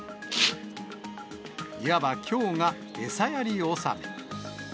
いわばきょうが餌やり納め。